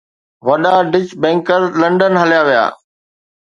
وڏا Dutch banker London هليا ويا